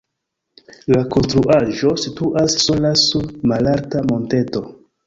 La konstruaĵo situas sola sur malalta monteto.